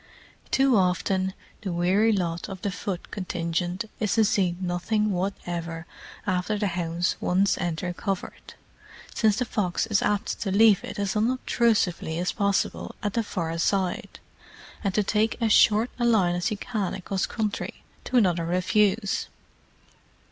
Too often the weary lot of the foot contingent is to see nothing whatever after the hounds once enter covert, since the fox is apt to leave it as unobtrusively as possible at the far side, and to take as short a line as he can across country to another refuse.